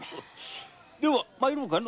では参ろうか。